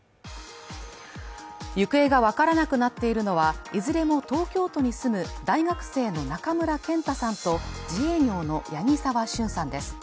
行方が分からなくなっているのは、いずれも東京都に住む大学生の中村健太さんと自営業の八木澤峻さんです。